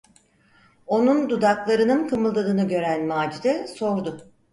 Onun dudaklarının kımıldadığını gören Macide sordu: